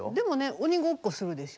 鬼ごっこするでしょ。